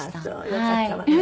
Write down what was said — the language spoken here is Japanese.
よかったわね。